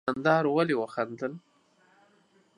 دوکاندار ولي وخندل؟